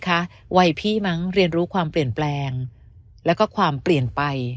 คะวัยพี่มั้งเรียนรู้ความเปลี่ยนแปลงแล้วก็ความเปลี่ยนไป